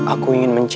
aku ingin mencari